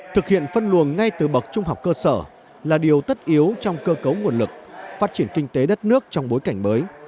thực hiện phân luồng ngay từ bậc trung học cơ sở là điều tất yếu trong cơ cấu nguồn lực phát triển kinh tế đất nước trong bối cảnh mới